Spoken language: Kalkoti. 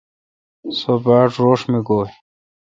سو باڑ روݭ می گوی۔